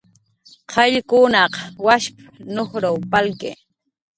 "qayllkunaq washp"" nujruw palki"